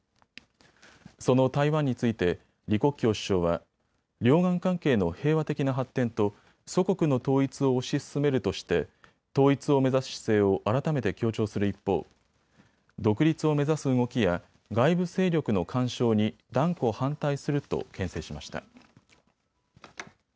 その台湾について李克強首相は、両岸関係の平和的な発展と祖国の統一を推し進めるとして統一を目指す姿勢を改めて強調する一方、独立を目指す動きや外部勢力の干渉に断固反対するとけん制しました。